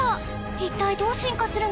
一体どう進化するの？